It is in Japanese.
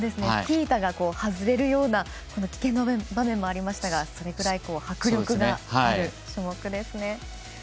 スキー板が外れるような危険な場面もありましたがそれぐらい迫力がある種目ですね。